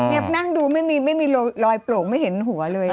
นี่นั่งดูไม่มีรอยโปรกไม่เห็นหัวเลย